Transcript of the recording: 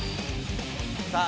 さあ